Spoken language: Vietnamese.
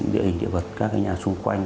địa hình địa vật các nhà xung quanh